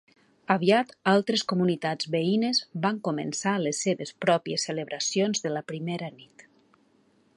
Aviat altres comunitats veïnes van començar les seves pròpies celebracions de la primera nit.